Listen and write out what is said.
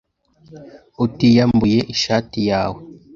utiyambuye ishati yawe